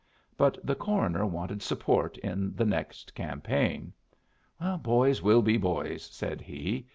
But the coroner wanted support in the next campaign. "Boys will be boys," said he.